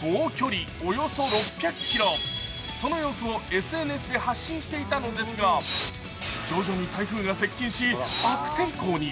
総距離およそ６００ｋｍ、その様子をＳＮＳで発信していたのですが徐々に台風が接近し、悪天候に。